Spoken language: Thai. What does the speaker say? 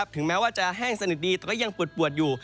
ถึงแม้ว่าจะแห้งสนิทดีแต่ก็ยังปวดอยู่